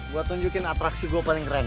gue tunjukin atraksi gue paling keren